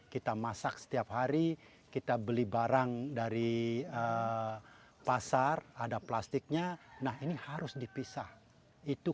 kita masak setiap hari kita beli barang dari pasar ada plastiknya nah ini harus dipisah itu